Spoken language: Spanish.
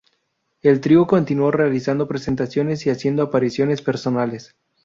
El trío continuó realizando presentaciones y haciendo apariciones personales.